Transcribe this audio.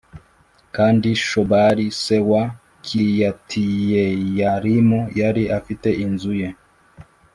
Kandi Shobali se wa Kiriyatiyeyarimu yari afite inzu ye